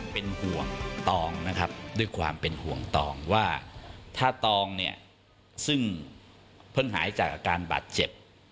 เป็นห่วงตองนะครับด้วยความเป็นห่วงตองว่าถ้าตองเนี่ยซึ่งเพิ่งหายจากอาการบาดเจ็บ